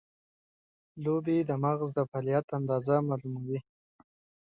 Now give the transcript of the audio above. لوبې د مغز د فعالیت اندازه معلوموي.